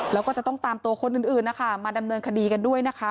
แล้วก็จะต้องตามตัวคนอื่นนะคะมาดำเนินคดีกันด้วยนะคะ